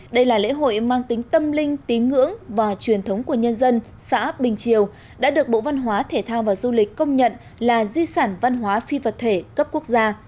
đây là lễ hội mang tính tâm linh tín ngưỡng và truyền thống của nhân dân xã bình triều đã được bộ văn hóa thể thao và du lịch công nhận là di sản văn hóa phi vật thể cấp quốc gia